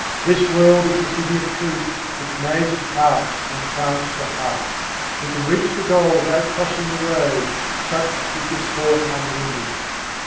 This world is the City of Truth, its maze of paths enchants the heart: We can reach the goal without crossing the road, such is the sport unending.